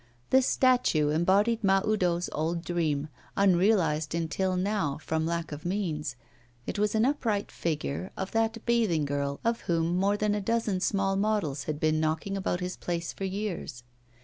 This statue embodied Mahoudeau's old dream, unrealised until now from lack of means it was an upright figure of that bathing girl of whom more than a dozen small models had been knocking about his place for years.